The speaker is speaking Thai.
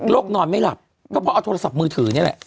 นอนไม่หลับก็เพราะเอาโทรศัพท์มือถือนี่แหละ